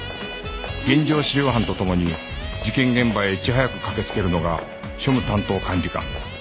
現場資料班とともに事件現場へいち早くかけつけるのが庶務担当管理官